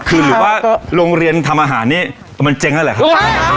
คือหรือว่าโรงเรียนทำอาหารนี่มันเจ๊งแล้วแหละครับ